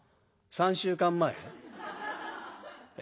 ３週間前？